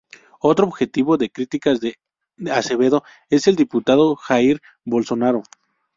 Otro objetivo de críticas de Azevedo es el diputado Jair Bolsonaro.